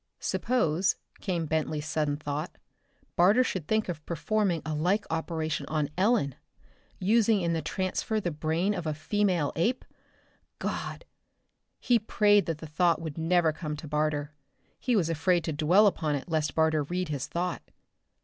Suppose, came Bentley's sudden thought, Barter should think of performing a like operation on Ellen using in the transfer the brain of a female ape? God!... He prayed that the thought would never come to Barter. He was afraid to dwell upon it lest Barter read his thought.